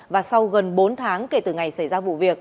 và sau gần bốn tháng kể từ ngày xảy ra vụ việc